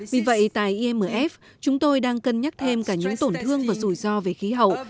vì vậy tại imf chúng tôi đang cân nhắc thêm cả những tổn thương và rủi ro về khí hậu